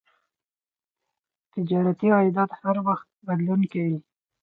تجارتي عایدات هر وخت بدلون کوي.